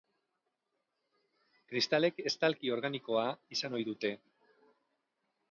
Kristalek estalki organikoa izan ohi dute.